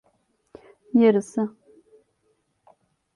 Yarısı…